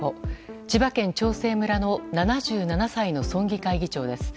千葉県長生村の７７歳の村議会議長です。